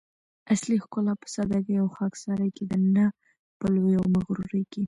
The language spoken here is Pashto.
اصلي ښکلا په سادګي او خاکساري کی ده؛ نه په لويي او مغروري کي